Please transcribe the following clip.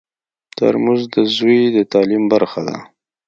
ترموز د زوی د تعلیم برخه ده.